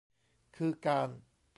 คือการ